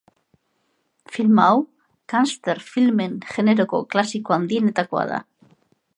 Filma hau gangster filmen generoko klasiko handienetakoa da.